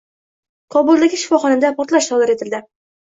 Kobuldagi shifoxonada portlash sodir etildi